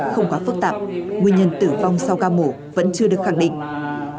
không quá phức tạp nguyên nhân tử vong sau ca mổ vẫn chưa được khẳng định